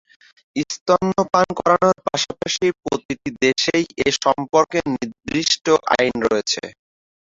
স্তন্যপান করানোর পাশাপাশি প্রতিটি দেশেই এ সম্পর্কে নির্দিষ্ট আইন রয়েছে।